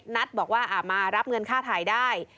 นัทบอกว่ามารับเงินค่าถ่ายได้